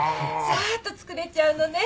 さっと作れちゃうのね。